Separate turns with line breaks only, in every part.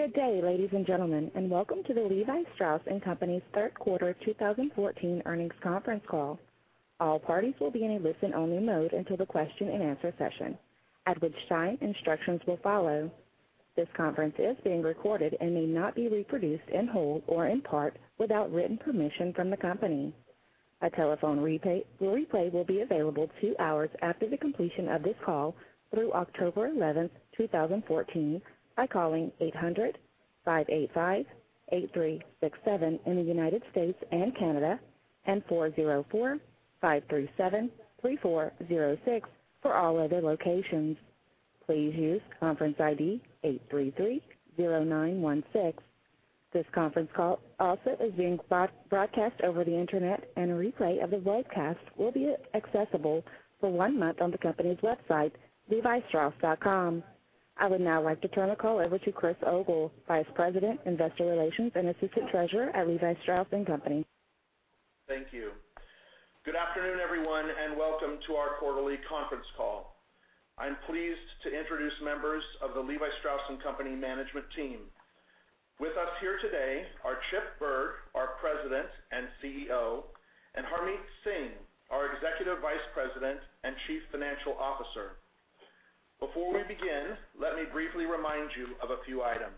Good day, ladies and gentlemen, and welcome to the Levi Strauss & Co.'s third quarter 2014 earnings conference call. All parties will be in a listen-only mode until the question and answer session, at which time instructions will follow. This conference is being recorded and may not be reproduced in whole or in part without written permission from the company. A telephone replay will be available two hours after the completion of this call through October 11th, 2014, by calling 800-585-8367 in the United States and Canada, and 404-537-3406 for all other locations. Please use conference ID 8330916. This conference call also is being broadcast over the internet, and a replay of the broadcast will be accessible for one month on the company's website, levistrauss.com. I would now like to turn the call over to Chris Ogle, Vice President, Investor Relations, and Assistant Treasurer at Levi Strauss & Co.
Thank you. Good afternoon, everyone, and welcome to our quarterly conference call. I'm pleased to introduce members of the Levi Strauss & Co. management team. With us here today are Chip Bergh, our President and CEO, and Harmit Singh, our Executive Vice President and Chief Financial Officer. Before we begin, let me briefly remind you of a few items.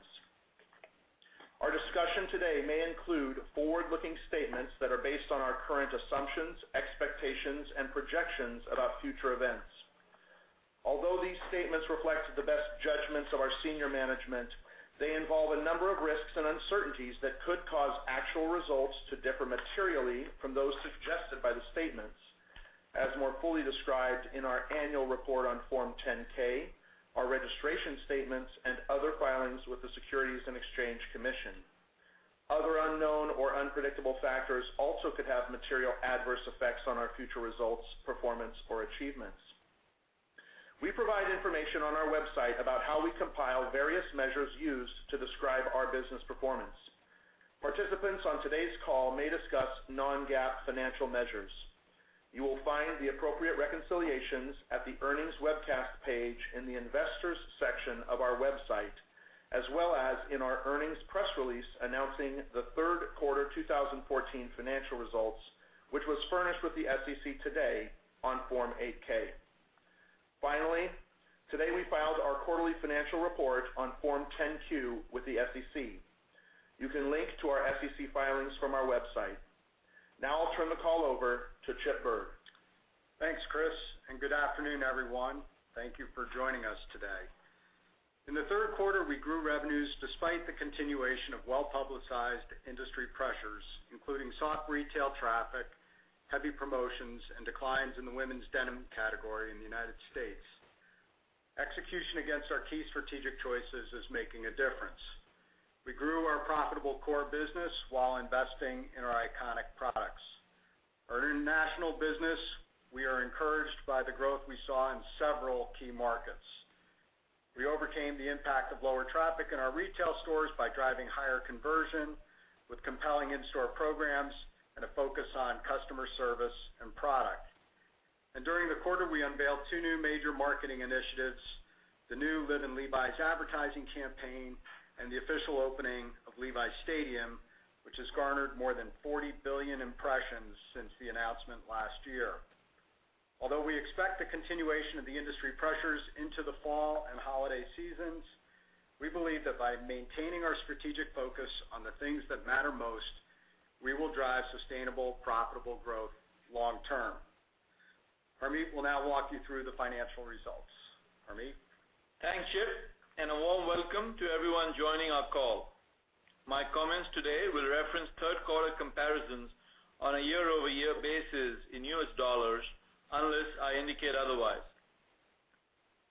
Our discussion today may include forward-looking statements that are based on our current assumptions, expectations, and projections about future events. Although these statements reflect the best judgments of our senior management, they involve a number of risks and uncertainties that could cause actual results to differ materially from those suggested by the statements, as more fully described in our annual report on Form 10-K, our registration statements, and other filings with the Securities and Exchange Commission. Other unknown or unpredictable factors also could have material adverse effects on our future results, performance, or achievements. We provide information on our website about how we compile various measures used to describe our business performance. Participants on today's call may discuss non-GAAP financial measures. You will find the appropriate reconciliations at the earnings webcast page in the Investors section of our website, as well as in our earnings press release announcing the third quarter 2014 financial results, which was furnished with the SEC today on Form 8-K. Finally, today we filed our quarterly financial report on Form 10-Q with the SEC. You can link to our SEC filings from our website. I'll turn the call over to Chip Bergh.
Thanks, Chris. Good afternoon, everyone. Thank you for joining us today. In the third quarter, we grew revenues despite the continuation of well-publicized industry pressures, including soft retail traffic, heavy promotions, and declines in the women's denim category in the United States. Execution against our key strategic choices is making a difference. We grew our profitable core business while investing in our iconic products. Our international business, we are encouraged by the growth we saw in several key markets. We overcame the impact of lower traffic in our retail stores by driving higher conversion with compelling in-store programs and a focus on customer service and product. During the quarter, we unveiled two new major marketing initiatives, the new Live in Levi's advertising campaign and the official opening of Levi's Stadium, which has garnered more than 40 billion impressions since the announcement last year. Although we expect the continuation of the industry pressures into the fall and holiday seasons, we believe that by maintaining our strategic focus on the things that matter most, we will drive sustainable, profitable growth long term. Harmit will now walk you through the financial results. Harmit?
Thanks, Chip, and a warm welcome to everyone joining our call. My comments today will reference third quarter comparisons on a year-over-year basis in U.S. dollars, unless I indicate otherwise.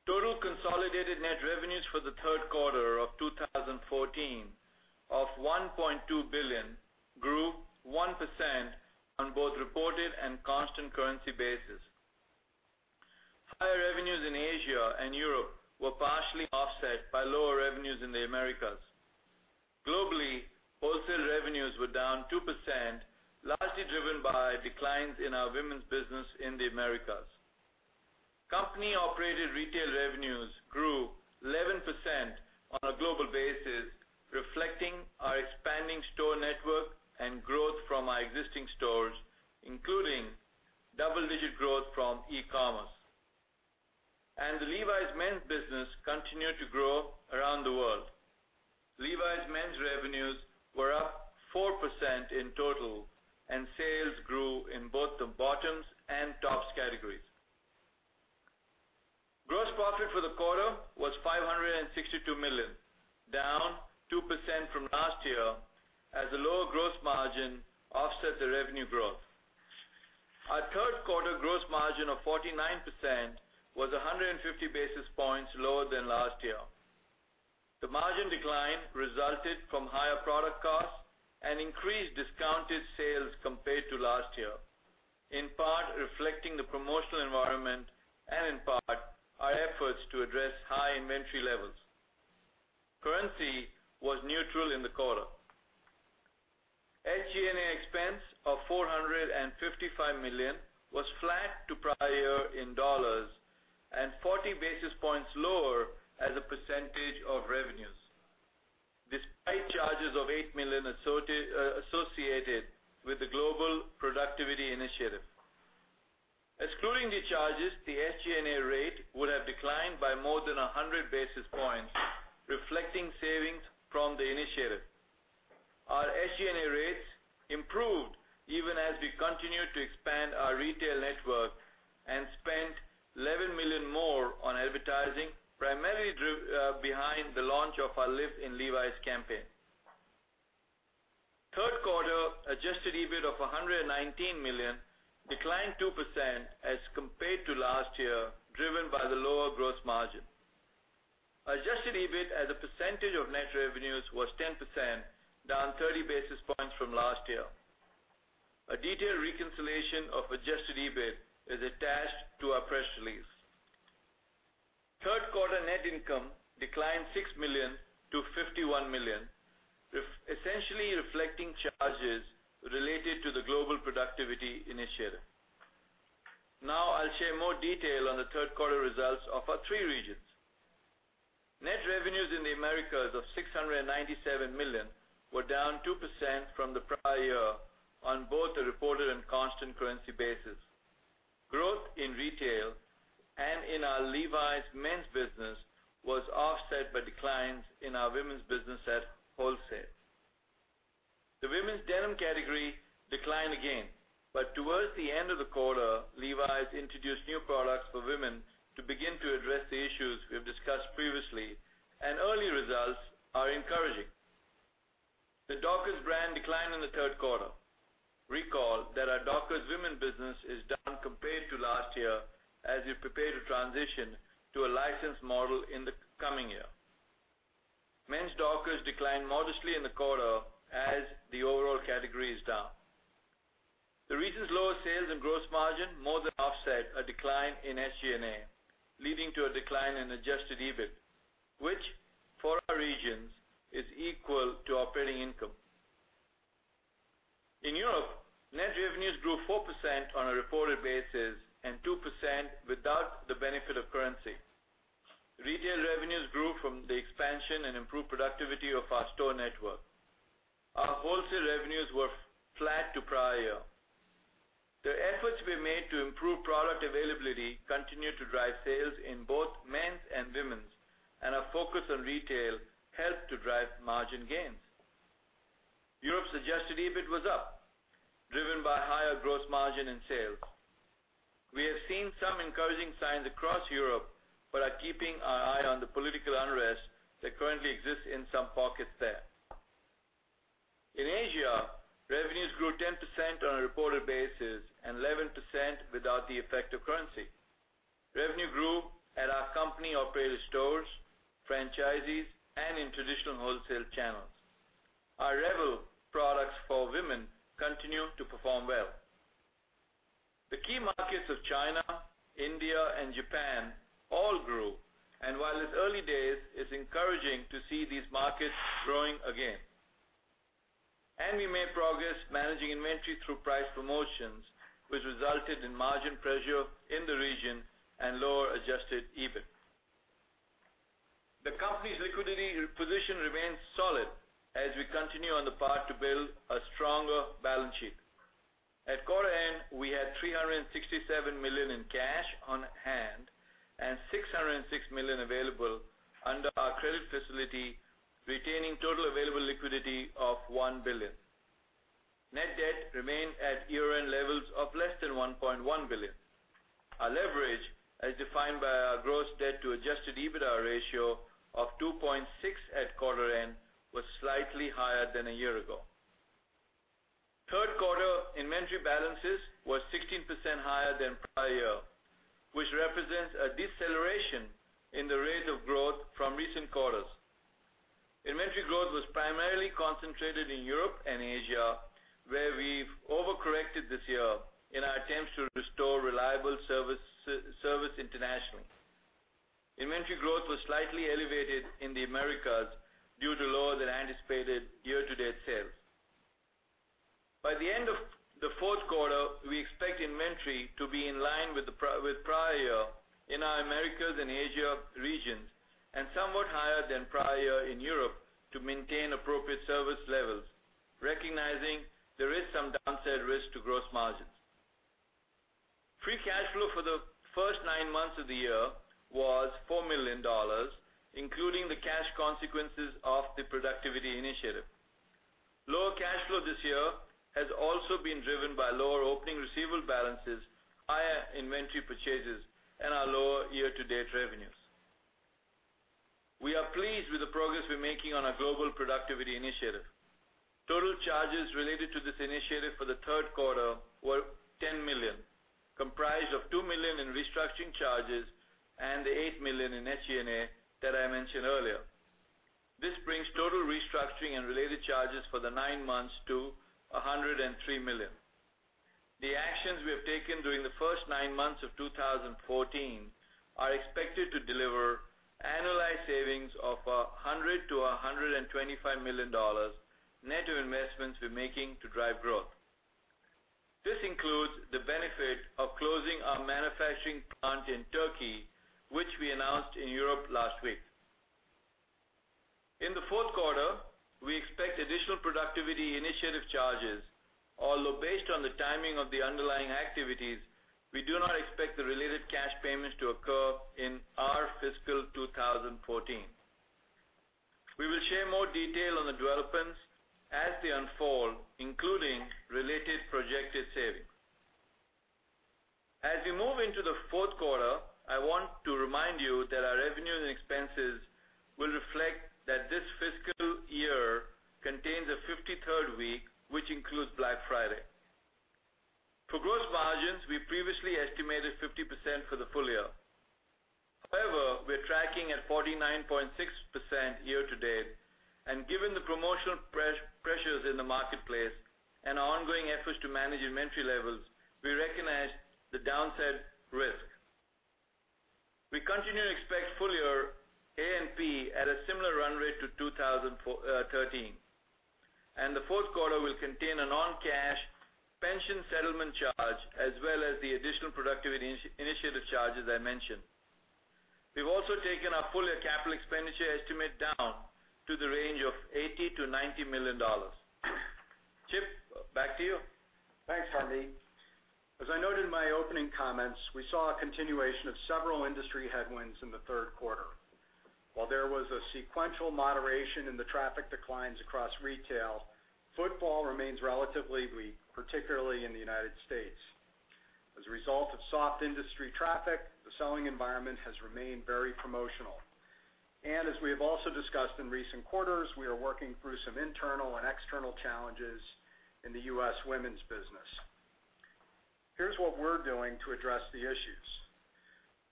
Total consolidated net revenues for the third quarter of 2014 of $1.2 billion grew 1% on both reported and constant currency basis. Higher revenues in Asia and Europe were partially offset by lower revenues in the Americas. Globally, wholesale revenues were down 2%, largely driven by declines in our women's business in the Americas. Company-operated retail revenues grew 11% on a global basis, reflecting our expanding store network and growth from our existing stores, including double-digit growth from e-commerce. The Levi's men's business continued to grow around the world. Levi's men's revenues were up 4% in total, and sales grew in both the bottoms and tops categories. Gross profit for the quarter was $562 million, down 2% from last year as the lower gross margin offset the revenue growth. Our third quarter gross margin of 49% was 150 basis points lower than last year. The margin decline resulted from higher product costs and increased discounted sales compared to last year, in part reflecting the promotional environment and in part our efforts to address high inventory levels. Currency was neutral in the quarter. SG&A expense of $455 million was flat to prior year in dollars, and 40 basis points lower as a percentage of revenues, despite charges of $8 million associated with the Global Productivity Initiative. Excluding the charges, the SG&A rate would have declined by more than 100 basis points, reflecting savings from the initiative. Our SG&A rates improved even as we continued to expand our retail network and spent $11 million more on advertising, primarily behind the launch of our Live in Levi's campaign. Third quarter adjusted EBIT of $119 million declined 2% as compared to last year, driven by the lower gross margin. Adjusted EBIT as a percentage of net revenues was 10%, down 30 basis points from last year. A detailed reconciliation of adjusted EBIT is attached to our press release. Third quarter net income declined $6 million to $51 million, essentially reflecting charges related to the Global Productivity Initiative. I'll share more detail on the third quarter results of our three regions. Net revenues in the Americas of $697 million were down 2% from the prior year on both a reported and constant currency basis. Growth in retail and in our Levi's men's business was offset by declines in our women's business at wholesale. The women's denim category declined again. Towards the end of the quarter, Levi's introduced new products for women to begin to address the issues we've discussed previously. Early results are encouraging. The Dockers brand declined in the third quarter. Recall that our Dockers women business is down compared to last year, as we prepare to transition to a licensed model in the coming year. Men's Dockers declined modestly in the quarter as the overall category is down. The region's lower sales and gross margin more than offset a decline in SG&A, leading to a decline in adjusted EBIT, which for our regions is equal to operating income. In Europe, net revenues grew 4% on a reported basis and 2% without the benefit of currency. Retail revenues grew from the expansion and improved productivity of our store network. Our wholesale revenues were flat to prior year. The efforts we made to improve product availability continued to drive sales in both men's and women's. Our focus on retail helped to drive margin gains. Europe's adjusted EBIT was up, driven by higher gross margin and sales. We have seen some encouraging signs across Europe but are keeping our eye on the political unrest that currently exists in some pockets there. In Asia, revenues grew 10% on a reported basis and 11% without the effect of currency. Revenue grew at our company-operated stores, franchisees, and in traditional wholesale channels. Our REVEL products for women continue to perform well. The key markets of China, India, and Japan all grew. While it's early days, it's encouraging to see these markets growing again. We made progress managing inventory through price promotions, which resulted in margin pressure in the region and lower adjusted EBIT. The company's liquidity position remains solid as we continue on the path to build a stronger balance sheet. At quarter end, we had $367 million in cash on hand and $606 million available under our credit facility, retaining total available liquidity of $1 billion. Net debt remained at year-end levels of less than $1.1 billion. Our leverage, as defined by our gross debt to adjusted EBITDA ratio of 2.6 at quarter end, was slightly higher than a year ago. Third quarter inventory balances were 16% higher than prior year, which represents a deceleration in the rate of growth from recent quarters. Inventory growth was primarily concentrated in Europe and Asia, where we've overcorrected this year in our attempts to restore reliable service internationally. Inventory growth was slightly elevated in the Americas due to lower-than-anticipated year-to-date sales. By the end of the fourth quarter, we expect inventory to be in line with prior year in our Americas and Asia regions and somewhat higher than prior year in Europe to maintain appropriate service levels, recognizing there is some downside risk to gross margins. Free cash flow for the first nine months of the year was $4 million, including the cash consequences of the productivity initiative. Lower cash flow this year has also been driven by lower opening receivable balances, higher inventory purchases, and our lower year-to-date revenues. We are pleased with the progress we're making on our global productivity initiative. Total charges related to this initiative for the third quarter were $10 million, comprised of $2 million in restructuring charges and the $8 million in SG&A that I mentioned earlier. This brings total restructuring and related charges for the nine months to $103 million. The actions we have taken during the first nine months of 2014 are expected to deliver annualized savings of $100 million to $125 million net of investments we're making to drive growth. This includes the benefit of closing our manufacturing plant in Turkey, which we announced in Europe last week. In the fourth quarter, we expect additional productivity initiative charges, although based on the timing of the underlying activities, we do not expect the related cash payments to occur in our fiscal 2014. We will share more detail on the developments as they unfold, including related projected savings. As we move into the fourth quarter, I want to remind you that our revenues and expenses will reflect that this fiscal year contains a 53rd week, which includes Black Friday. For gross margins, we previously estimated 50% for the full year. However, we're tracking at 49.6% year-to-date, and given the promotional pressures in the marketplace and our ongoing efforts to manage inventory levels, we recognize the downside risk. We continue to expect full-year A&P at a similar run rate to 2013, and the fourth quarter will contain a non-cash pension settlement charge as well as the additional productivity initiative charges I mentioned. We've also taken our full-year capital expenditure estimate down to the range of $80 million to $90 million. Chip, back to you.
Thanks, Harmit. As I noted in my opening comments, we saw a continuation of several industry headwinds in the third quarter. While there was a sequential moderation in the traffic declines across retail, footfall remains relatively weak, particularly in the U.S. As a result of soft industry traffic, the selling environment has remained very promotional. As we have also discussed in recent quarters, we are working through some internal and external challenges in the U.S. women's business. Here's what we're doing to address the issues.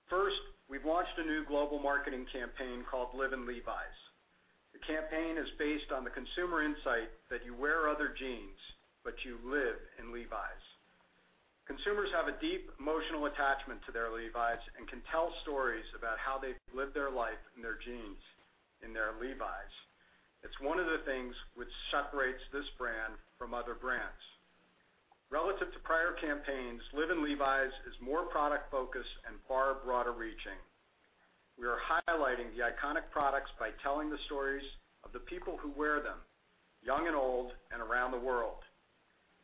First, we've launched a new global marketing campaign called Live in Levi's. The campaign is based on the consumer insight that you wear other jeans, but you live in Levi's. Consumers have a deep emotional attachment to their Levi's and can tell stories about how they've lived their life in their jeans, in their Levi's. It's one of the things which separates this brand from other brands. Relative to prior campaigns, Live in Levi's is more product-focused and far broader reaching. We are highlighting the iconic products by telling the stories of the people who wear them, young and old, and around the world.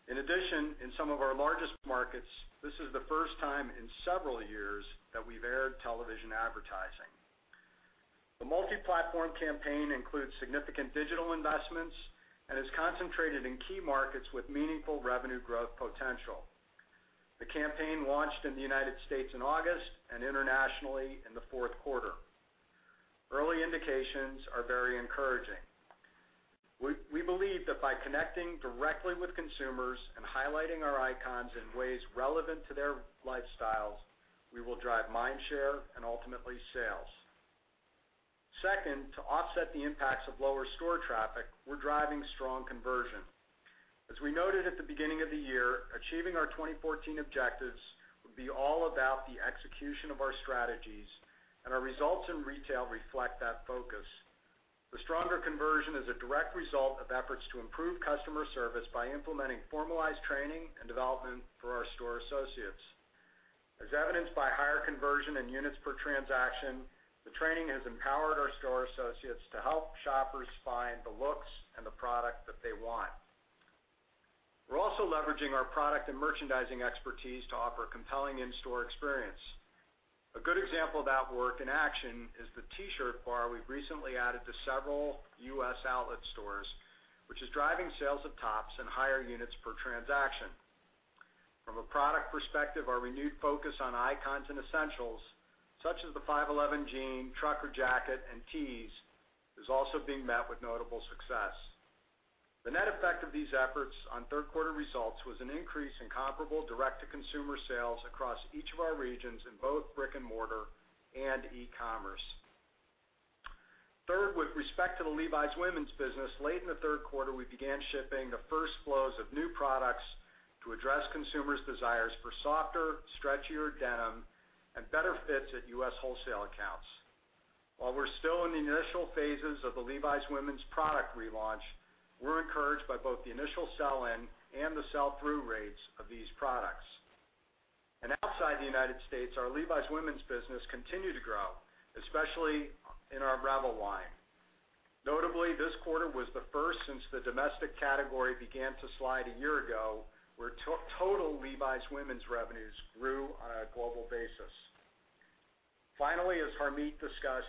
In addition, in some of our largest markets, this is the first time in several years that we've aired television advertising. The multi-platform campaign includes significant digital investments and is concentrated in key markets with meaningful revenue growth potential. The campaign launched in the United States in August and internationally in the fourth quarter. Early indications are very encouraging. We believe that by connecting directly with consumers and highlighting our icons in ways relevant to their lifestyles, we will drive mind share and ultimately sales. Second, to offset the impacts of lower store traffic, we're driving strong conversion. As we noted at the beginning of the year, achieving our 2014 objectives would be all about the execution of our strategies, and our results in retail reflect that focus. The stronger conversion is a direct result of efforts to improve customer service by implementing formalized training and development for our store associates. As evidenced by higher conversion in units per transaction, the training has empowered our store associates to help shoppers find the looks and the product that they want. We're also leveraging our product and merchandising expertise to offer a compelling in-store experience. A good example of that work in action is the T-shirt bar we've recently added to several U.S. outlet stores, which is driving sales of tops and higher units per transaction. From a product perspective, our renewed focus on icons and essentials, such as the 511 jean, trucker jacket, and tees, is also being met with notable success. The net effect of these efforts on third quarter results was an increase in comparable direct-to-consumer sales across each of our regions in both brick and mortar and e-commerce. Third, with respect to the Levi's women's business, late in the third quarter, we began shipping the first flows of new products to address consumers' desires for softer, stretchier denim and better fits at U.S. wholesale accounts. While we're still in the initial phases of the Levi's women's product relaunch, we're encouraged by both the initial sell-in and the sell-through rates of these products. Outside the United States, our Levi's women's business continued to grow, especially in our Revel line. Notably, this quarter was the first since the domestic category began to slide a year ago, where total Levi's women's revenues grew on a global basis. Finally, as Harmit discussed,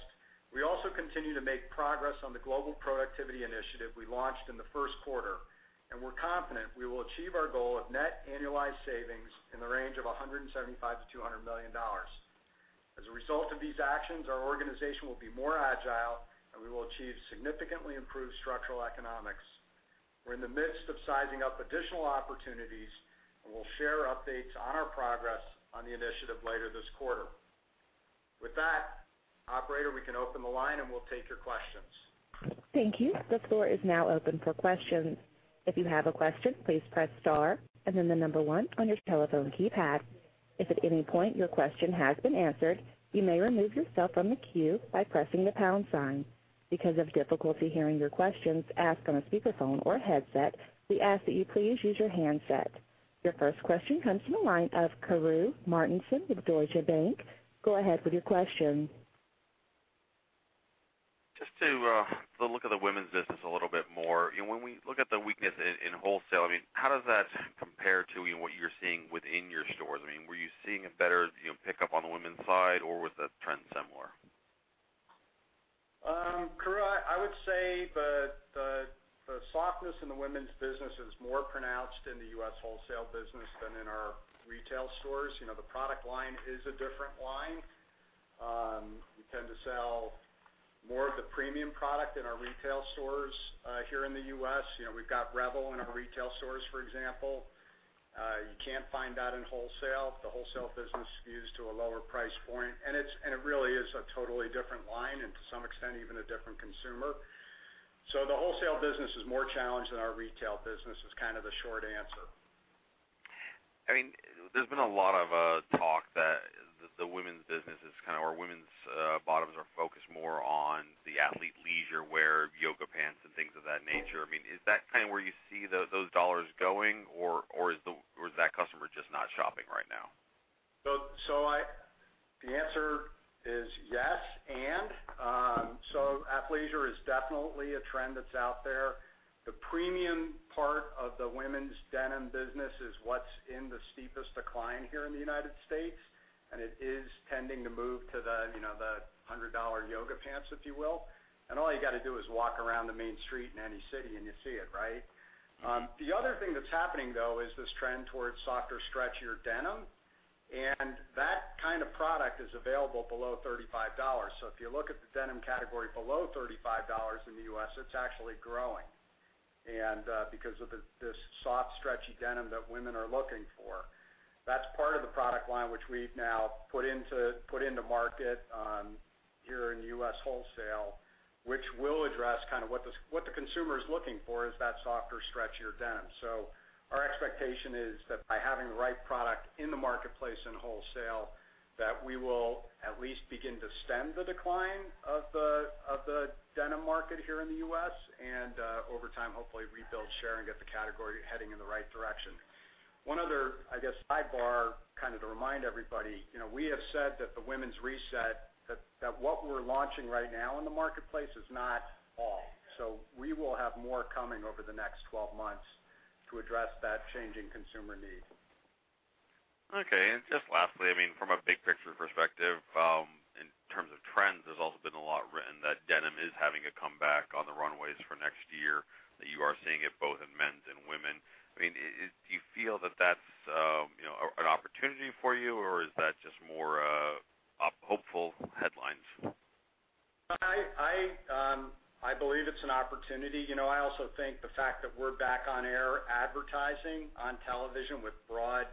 we also continue to make progress on the global productivity initiative we launched in the first quarter, and we're confident we will achieve our goal of net annualized savings in the range of $175 million-$200 million. As a result of these actions, our organization will be more agile, and we will achieve significantly improved structural economics. We're in the midst of sizing up additional opportunities, and we'll share updates on our progress on the initiative later this quarter. With that, operator, we can open the line and we'll take your questions.
Thank you. The floor is now open for questions. If you have a question, please press star and then the number one on your telephone keypad. If at any point your question has been answered, you may remove yourself from the queue by pressing the pound sign. Because of difficulty hearing your questions asked on a speakerphone or headset, we ask that you please use your handset. Your first question comes from the line of Karru Martinson with Deutsche Bank. Go ahead with your question.
Just to look at the women's business a little bit more. When we look at the weakness in wholesale, how does that compare to what you're seeing within your stores? Were you seeing a better pickup on the women's side, or was the trend similar?
Karru, I would say the softness in the women's business is more pronounced in the U.S. wholesale business than in our retail stores. The product line is a different line. We tend to sell more of the premium product in our retail stores here in the U.S. We've got Revel in our retail stores, for example. You can't find that in wholesale. The wholesale business skews to a lower price point. It really is a totally different line and to some extent, even a different consumer. The wholesale business is more challenged than our retail business, is kind of the short answer.
There's been a lot of talk that the women's business, or women's bottoms are focused more on the athlete leisure wear, yoga pants, and things of that nature. Is that kind of where you see those dollars going, or is that customer just not shopping right now?
The answer is yes, and. Athleisure is definitely a trend that's out there. The premium part of the women's denim business is what's in the steepest decline here in the United States. It is tending to move to the $100 yoga pants, if you will. All you got to do is walk around the main street in any city, and you see it, right? The other thing that's happening, though, is this trend towards softer, stretchier denim. That kind of product is available below $35. If you look at the denim category below $35 in the U.S., it's actually growing because of this soft, stretchy denim that women are looking for. That's part of the product line which we've now put into market here in U.S. wholesale, which will address what the consumer is looking for, is that softer, stretchier denim. Our expectation is that by having the right product in the marketplace in wholesale, that we will at least begin to stem the decline of the denim market here in the U.S., and over time, hopefully rebuild, share, and get the category heading in the right direction. One other, I guess, sidebar, to remind everybody, we have said that the women's reset, that what we're launching right now in the marketplace is not all. We will have more coming over the next 12 months to address that changing consumer need.
Okay. Just lastly, from a big picture perspective, in terms of trends, there's also been a lot written that denim is having a comeback on the runways for next year, that you are seeing it both in men's and women. Do you feel that that's an opportunity for you, or is that just more hopeful headlines?
I believe it's an opportunity. I also think the fact that we're back on air advertising on television with broad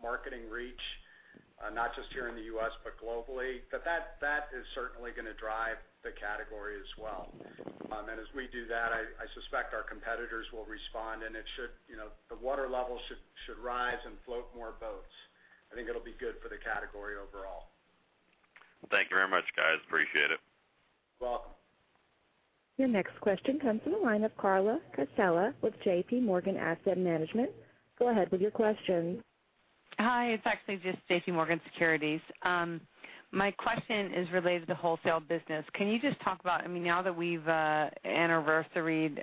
marketing reach, not just here in the U.S. but globally. That is certainly going to drive the category as well. As we do that, I suspect our competitors will respond, and the water level should rise and float more boats. I think it'll be good for the category overall.
Thank you very much, guys. Appreciate it.
Welcome.
Your next question comes from the line of Carla Casella with J.P. Morgan Securities. Go ahead with your question.
Hi. It's actually just J.P. Morgan Securities. My question is related to wholesale business. Can you just talk about, now that we've anniversaried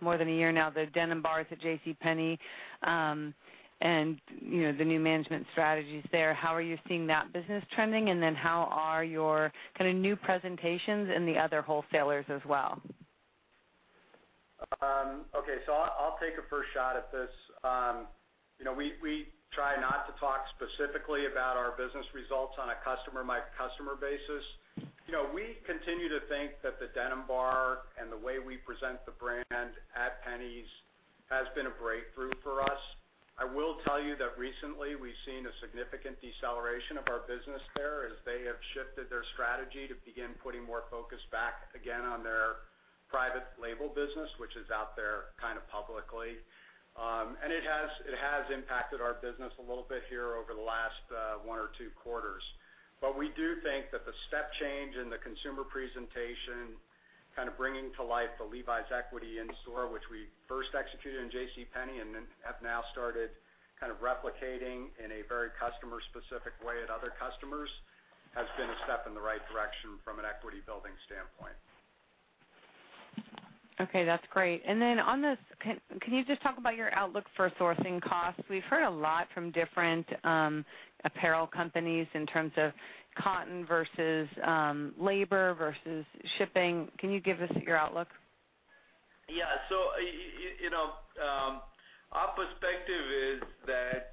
more than a year now, the Denim Bar at JCPenney, and the new management strategies there. How are you seeing that business trending, how are your new presentations in the other wholesalers as well?
Okay. I'll take a first shot at this. We try not to talk specifically about our business results on a customer-by-customer basis. We continue to think that the Denim Bar and the way we present the brand at Penney's has been a breakthrough for us. I will tell you that recently, we've seen a significant deceleration of our business there as they have shifted their strategy to begin putting more focus back again on their private label business, which is out there kind of publicly. It has impacted our business a little bit here over the last one or two quarters. We do think that the step change in the consumer presentation, kind of bringing to life the Levi's equity in store, which we first executed in JCPenney, and have now started replicating in a very customer-specific way at other customers, has been a step in the right direction from an equity building standpoint.
Okay, that's great. On this, can you just talk about your outlook for sourcing costs? We've heard a lot from different apparel companies in terms of cotton versus labor versus shipping. Can you give us your outlook?
Yeah. Our perspective is that,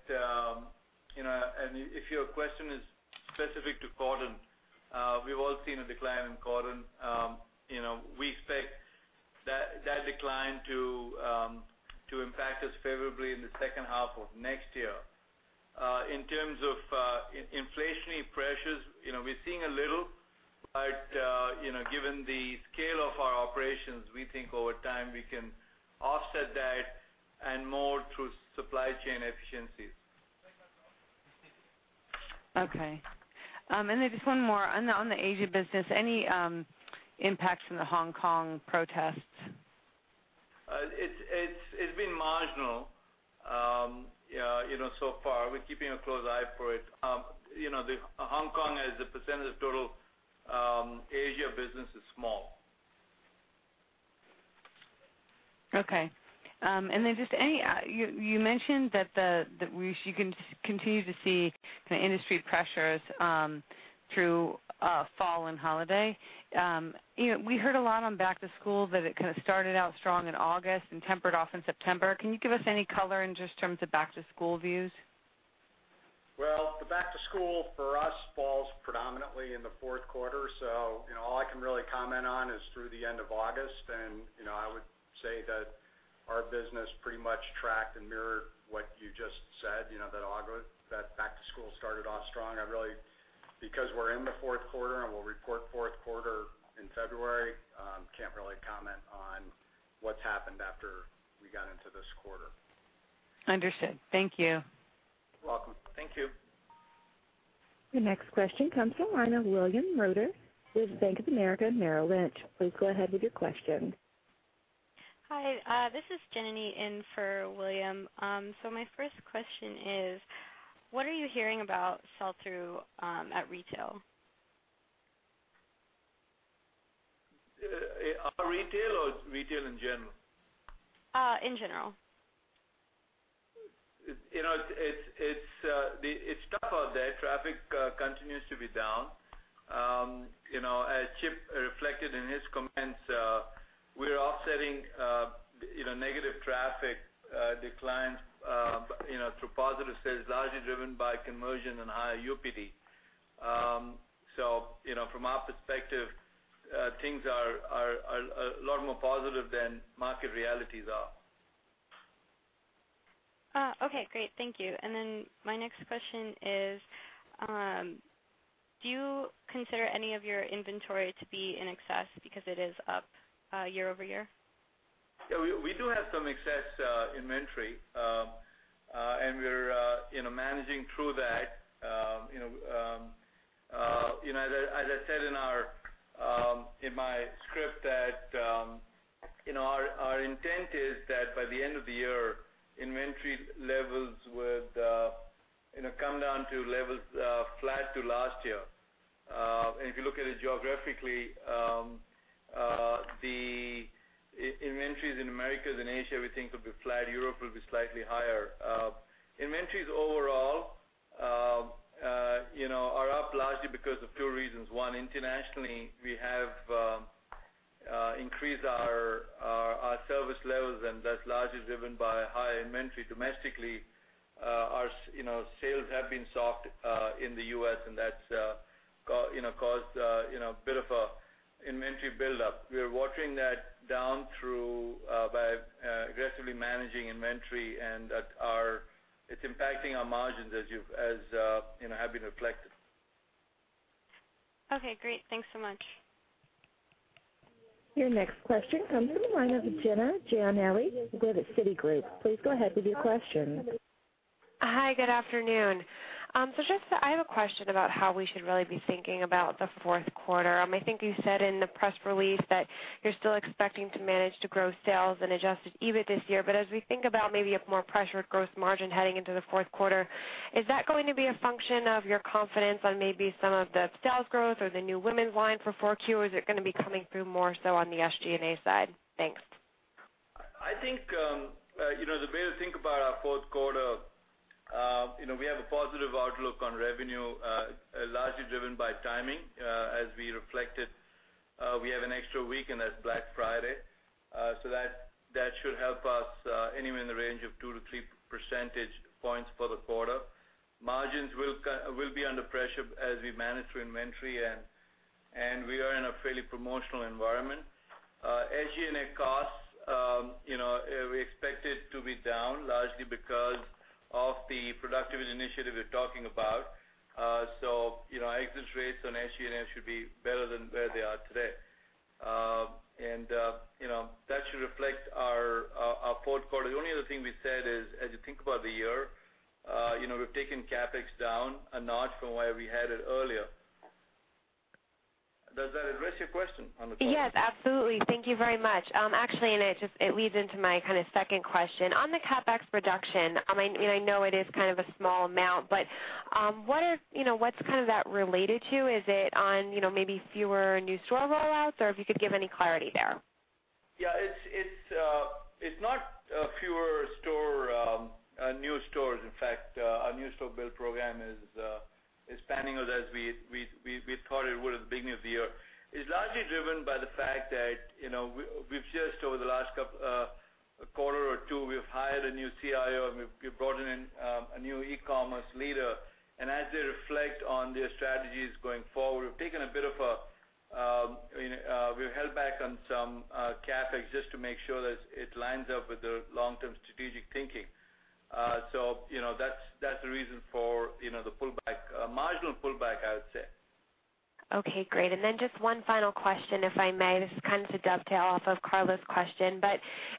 if your question is specific to cotton, we've all seen a decline in cotton. We expect that decline to impact us favorably in the second half of next year. In terms of inflationary pressures, we're seeing a little, given the scale of our operations, we think over time we can offset that and more through supply chain efficiencies.
Okay. Just one more. On the Asia business, any impacts from the Hong Kong protests?
It's been marginal so far. We're keeping a close eye for it. Hong Kong, as a percentage of total Asia business, is small.
Okay. You mentioned that we should continue to see the industry pressures through fall and holiday. We heard a lot on back to school, that it kind of started out strong in August and tempered off in September. Can you give us any color in just terms of back to school views?
Well, the back to school for us falls predominantly in the fourth quarter. All I can really comment on is through the end of August. I would say that our business pretty much tracked and mirrored what you just said, that back to school started off strong. We're in the fourth quarter, and we'll report fourth quarter in February, can't really comment on what's happened after we got into this quarter.
Understood. Thank you.
You're welcome. Thank you.
The next question comes from the line of William Roeder with Bank of America Merrill Lynch. Please go ahead with your question.
Hi, this is Jenny in for William. My first question is, what are you hearing about sell-through at retail?
Our retail or retail in general?
In general.
It's tough out there. Traffic continues to be down. As Chip reflected in his comments, we're offsetting negative traffic declines through positive sales, largely driven by conversion and higher UPT. From our perspective, things are a lot more positive than market realities are.
Okay, great. Thank you. My next question is, do you consider any of your inventory to be in excess because it is up year-over-year?
Yeah, we do have some excess inventory, and we're managing through that. As I said in my script, that our intent is that by the end of the year, inventory levels would come down to levels flat to last year. If you look at it geographically, the inventories in Americas and Asia, we think, will be flat. Europe will be slightly higher. Inventories overall are up largely because of two reasons. One, internationally, we have increased our service levels, and that's largely driven by high inventory. Domestically, our sales have been soft in the U.S., and that's caused a bit of an inventory buildup. We are watering that down through by aggressively managing inventory, and it's impacting our margins as have been reflected.
Okay, great. Thanks so much.
Your next question comes from the line of Jenna Giannelli with Citigroup. Please go ahead with your question.
Hi, good afternoon. I have a question about how we should really be thinking about the fourth quarter. I think you said in the press release that you're still expecting to manage to grow sales and adjusted EBIT this year. As we think about maybe a more pressured gross margin heading into the fourth quarter, is that going to be a function of your confidence on maybe some of the sales growth or the new women's line for 4Q? Is it going to be coming through more so on the SG&A side? Thanks.
I think, the way to think about our fourth quarter, we have a positive outlook on revenue, largely driven by timing. As we reflected, we have an extra week, and that's Black Friday. That should help us anywhere in the range of two to three percentage points for the quarter. Margins will be under pressure as we manage through inventory, and we are in a fairly promotional environment. SG&A costs, we expect it to be down largely because of the productivity initiative we're talking about. Exit rates on SG&A should be better than where they are today. That should reflect our fourth quarter. The only other thing we said is, as you think about the year, we've taken CapEx down a notch from where we had it earlier. Does that address your question on the quarter?
Yes, absolutely. Thank you very much. Actually, it leads into my second question. On the CapEx reduction, and I know it is kind of a small amount, what's that related to? Is it on maybe fewer new store rollouts, or if you could give any clarity there?
Yeah. It's not fewer new stores. In fact, our new store build program is spanning as we thought it would at the beginning of the year. It's largely driven by the fact that we've just, over the last quarter or two, we've hired a new CIO, and we've brought in a new e-commerce leader. As they reflect on their strategies going forward, we've held back on some CapEx just to make sure that it lines up with the long-term strategic thinking. That's the reason for the marginal pullback, I would say.
Okay, great. Just one final question, if I may. This is kind of to dovetail off of Carla's question,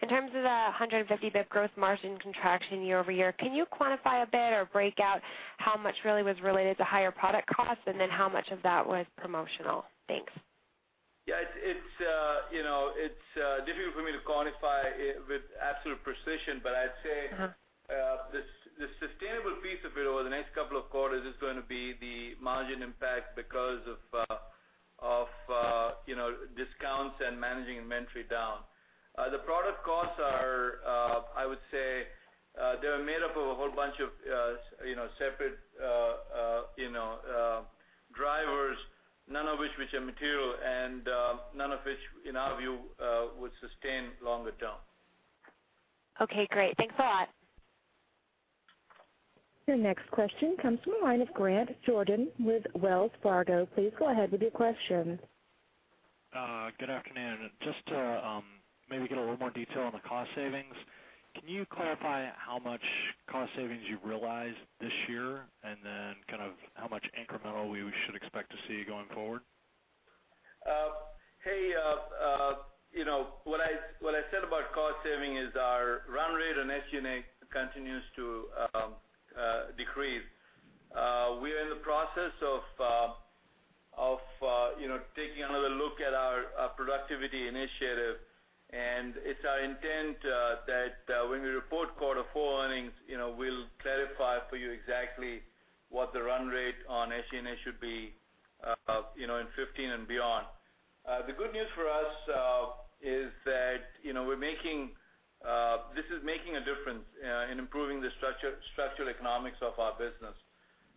in terms of the 150 basis points growth margin contraction year-over-year, can you quantify a bit or break out how much really was related to higher product costs, and how much of that was promotional? Thanks.
Yeah. It's difficult for me to quantify with absolute precision, but I'd say. The sustainable piece of it over the next couple of quarters is going to be the margin impact because of discounts and managing inventory down. The product costs are, I would say, they're made up of a whole bunch of separate drivers, none of which are material and none of which, in our view, would sustain longer term.
Okay, great. Thanks a lot.
Your next question comes from the line of Grant Jordan with Wells Fargo. Please go ahead with your question.
Good afternoon. Just to maybe get a little more detail on the cost savings, can you clarify how much cost savings you've realized this year, and then how much incremental we should expect to see going forward?
Hey, what I said about cost saving is our run rate on SG&A continues to decrease. We are in the process of taking another look at our productivity initiative, and it's our intent that when we report quarter four earnings, we'll clarify for you exactly what the run rate on SG&A should be in 2015 and beyond. The good news for us is that this is making a difference in improving the structural economics of our business.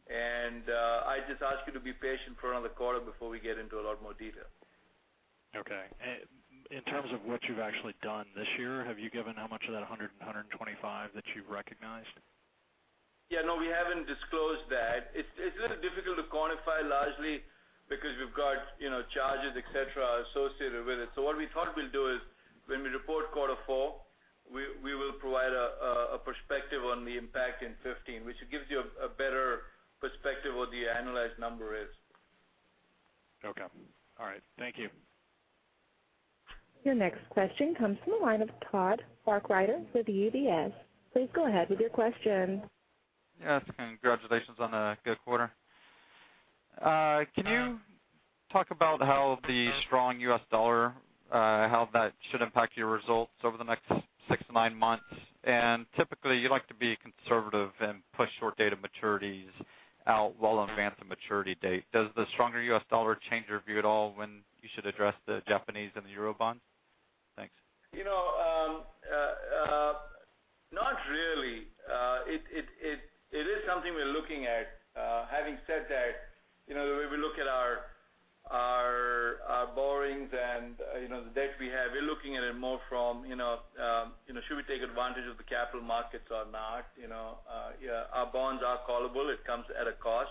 I'd just ask you to be patient for another quarter before we get into a lot more detail.
Okay. In terms of what you've actually done this year, have you given how much of that $100 and $125 that you've recognized?
Yeah, no, we haven't disclosed that. It's a little difficult to quantify, largely because we've got charges, et cetera, associated with it. What we thought we'll do is when we report quarter four, we will provide a perspective on the impact in 2015, which gives you a better perspective of what the annualized number is.
Okay. All right. Thank you.
Your next question comes from the line of Todd Parkrider with UBS. Please go ahead with your question.
Yes, congratulations on a good quarter. Can you talk about how the strong U.S. dollar, how that should impact your results over the next 6 to 9 months? Typically, you like to be conservative and push short date of maturities out well in advance of maturity date. Does the stronger U.S. dollar change your view at all when you should address the Japanese and the euro bonds? Thanks.
Not really. It is something we are looking at. Having said that, the way we look at our borrowings and the debt we have, we're looking at it more from should we take advantage of the capital markets or not? Our bonds are callable. It comes at a cost.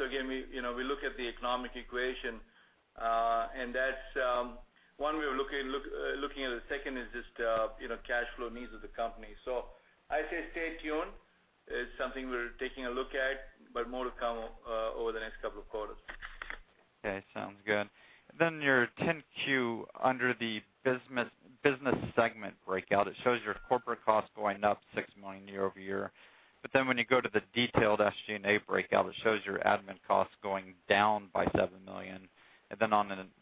Again, we look at the economic equation, and that's one way of looking at it. Second is just cash flow needs of the company. I'd say stay tuned. It's something we're taking a look at, but more to come over the next couple of quarters.
Okay. Sounds good. Your 10-Q under the business segment breakout, it shows your corporate cost going up $6 million year-over-year. When you go to the detailed SG&A breakout, it shows your admin cost going down by $7 million.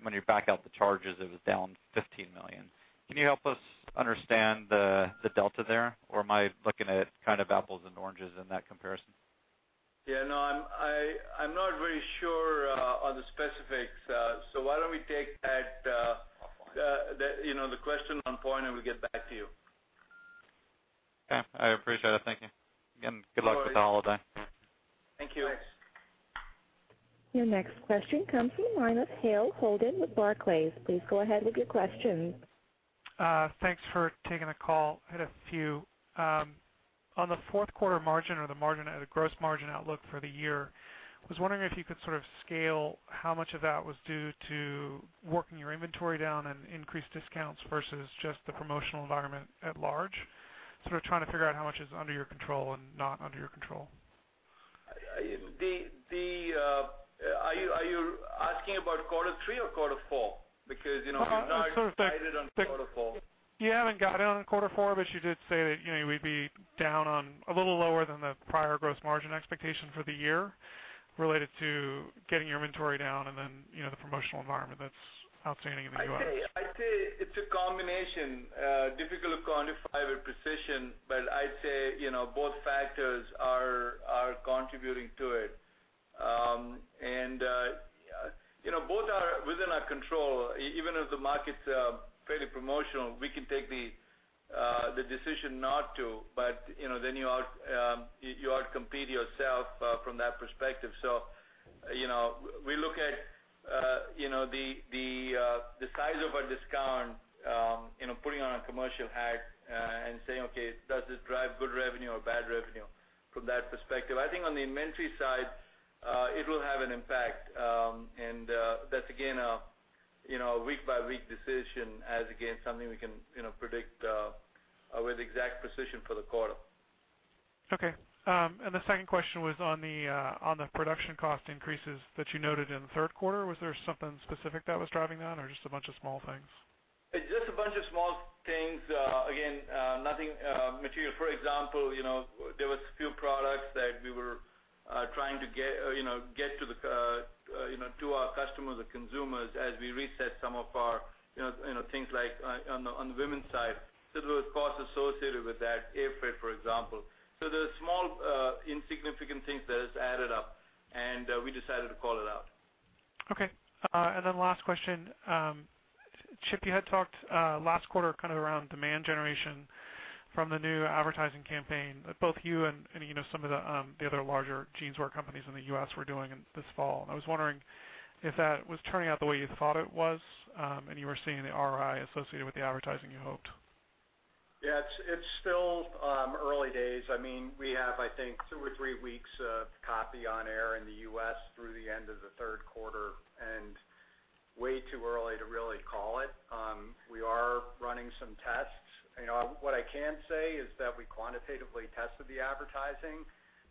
When you back out the charges, it was down $15 million. Can you help us understand the delta there, or am I looking at apples and oranges in that comparison?
Yeah, no, I'm not very sure on the specifics. Why don't we take the question on point, and we'll get back to you.
Okay. I appreciate it. Thank you. Again, good luck-
No worries
with the holiday.
Thank you.
Your next question comes from the line of Hale Holden with Barclays. Please go ahead with your question.
Thanks for taking the call. I had a few. On the fourth quarter margin or the gross margin outlook for the year, I was wondering if you could sort of scale how much of that was due to working your inventory down and increased discounts versus just the promotional environment at large. Sort of trying to figure out how much is under your control and not under your control.
Are you asking about quarter three or quarter four? Because we've already guided on quarter four.
You haven't guided on quarter four, but you did say that you would be a little lower than the prior gross margin expectation for the year related to getting your inventory down and then the promotional environment that's outstanding in the U.S.
I'd say it's a combination. Difficult to quantify with precision, but I'd say both factors are contributing to it. Both are within our control. Even if the market's fairly promotional, we can take the decision not to, but then you out-compete yourself from that perspective. We look at the size of our discount, putting on a commercial hat and saying, "Okay, does this drive good revenue or bad revenue?" From that perspective. I think on the inventory side, it will have an impact. That's, again, a week-by-week decision as, again, something we can predict with exact precision for the quarter.
Okay. The second question was on the production cost increases that you noted in the third quarter. Was there something specific that was driving that or just a bunch of small things?
It's just a bunch of small things. Again, nothing material. For example, there was a few products that we were trying to get to our customers or consumers as we reset some of our things like on the women's side. There was cost associated with that. Airfare, for example. There's small, insignificant things that has added up, and we decided to call it out.
Okay. Last question. Chip, you had talked last quarter around demand generation from the new advertising campaign that both you and some of the other larger jeans wear companies in the U.S. were doing this fall. I was wondering if that was turning out the way you thought it was, and you were seeing the ROI associated with the advertising you hoped.
Yeah. It's still early days. We have, I think, two or three weeks of copy on air in the U.S. through the end of the third quarter, way too early to really call it. We are running some tests. What I can say is that we quantitatively tested the advertising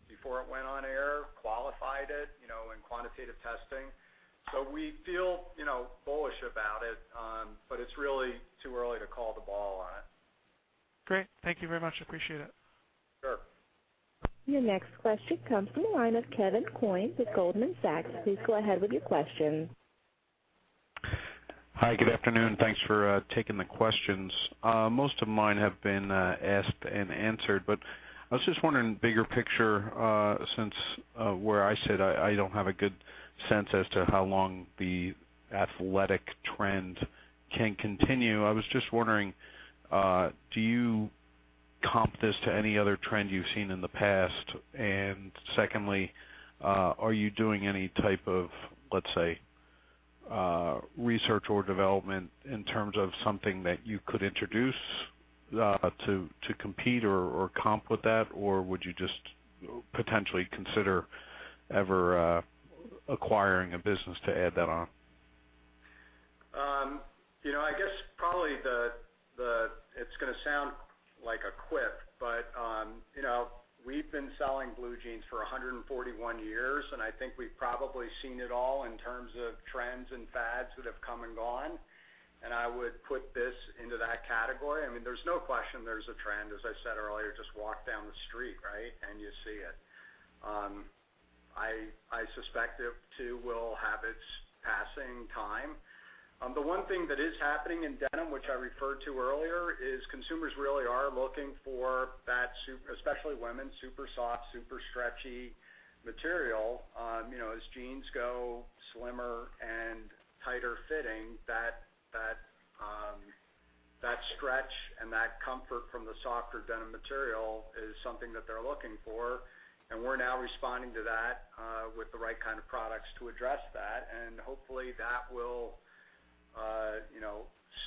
before it went on air, qualified it in quantitative testing. We feel bullish about it. It's really too early to call the ball on it.
Great. Thank you very much. Appreciate it.
Sure.
Your next question comes from the line of Kevin Coyne with Goldman Sachs. Please go ahead with your question.
Hi. Good afternoon. Thanks for taking the questions. Most of mine have been asked and answered. I was just wondering, bigger picture, since where I sit, I don't have a good sense as to how long the athletic trend can continue. I was just wondering, do you comp this to any other trend you've seen in the past? Secondly, are you doing any type of, let's say, research or development in terms of something that you could introduce to compete or comp with that, or would you just potentially consider ever acquiring a business to add that on?
I guess probably it's gonna sound like a quip, we've been selling blue jeans for 141 years, and I think we've probably seen it all in terms of trends and fads that have come and gone. I would put this into that category. There's no question there's a trend. As I said earlier, just walk down the street, and you see it. I suspect it, too, will have its passing time. The one thing that is happening in denim, which I referred to earlier, is consumers really are looking for that, especially women, super soft, super stretchy material. As jeans go slimmer and tighter fitting, that stretch and that comfort from the softer denim material is something that they're looking for. We're now responding to that with the right kind of products to address that. Hopefully, that will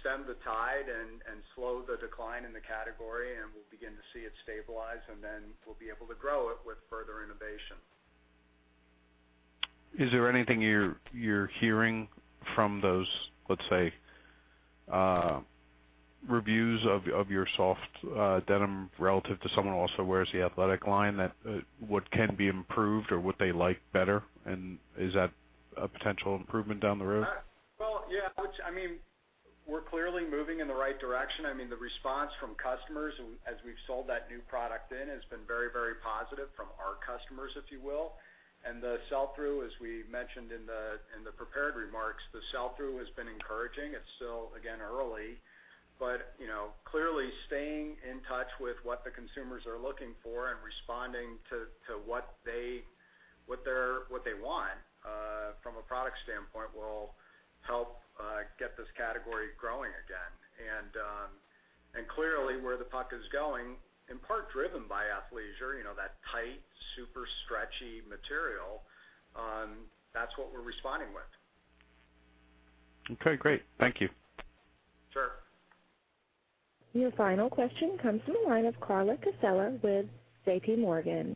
stem the tide and slow the decline in the category, and we'll begin to see it stabilize, we'll be able to grow it with further innovation.
Is there anything you're hearing from those, let's say, reviews of your soft denim relative to someone who also wears the athletic line, that what can be improved or what they like better? Is that a potential improvement down the road?
Yeah. We're clearly moving in the right direction. The response from customers as we've sold that new product in has been very, very positive from our customers, if you will. The sell-through, as we mentioned in the prepared remarks, the sell-through has been encouraging. It's still, again, early. Clearly, staying in touch with what the consumers are looking for and responding to what they want from a product standpoint will help get this category growing again. Clearly, where the puck is going, in part driven by athleisure, that tight, super stretchy material, that's what we're responding with.
Okay, great. Thank you.
Sure.
Your final question comes from the line of Carla Casella with J.P. Morgan.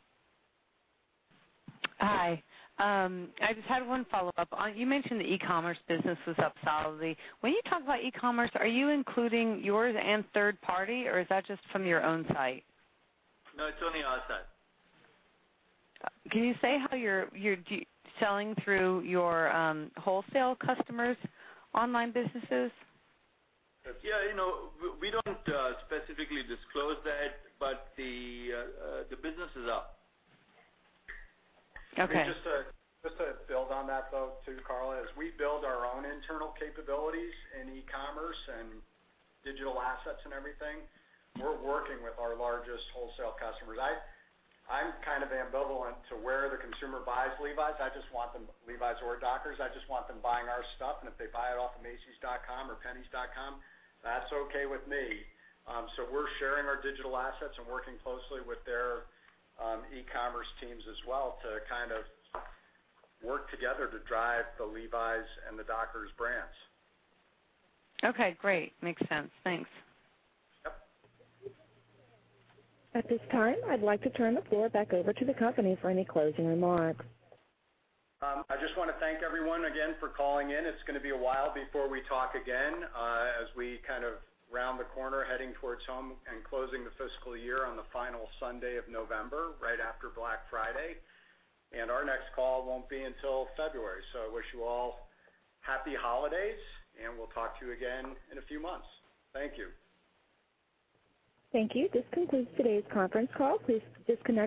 Hi. I just had one follow-up. You mentioned the e-commerce business was up solidly. When you talk about e-commerce, are you including yours and third party, or is that just from your own site?
No, it's only our site.
Can you say how you're selling through your wholesale customers' online businesses?
Yeah. We don't specifically disclose that, the business is up.
Okay.
Just to build on that, though, too, Carla, as we build our own internal capabilities in e-commerce and digital assets and everything, we're working with our largest wholesale customers. I'm kind of ambivalent to where the consumer buys Levi's. I just want them, Levi's or Dockers, I just want them buying our stuff. If they buy it off of Macy's or jcpenney.com, that's okay with me. We're sharing our digital assets and working closely with their e-commerce teams as well to kind of work together to drive the Levi's and the Dockers brands.
Okay, great. Makes sense. Thanks.
Yep.
At this time, I'd like to turn the floor back over to the company for any closing remarks.
I just wanna thank everyone again for calling in. It's gonna be a while before we talk again, as we kind of round the corner heading towards home and closing the fiscal year on the final Sunday of November, right after Black Friday. Our next call won't be until February. I wish you all happy holidays, and we'll talk to you again in a few months. Thank you.
Thank you. This concludes today's conference call. Please disconnect.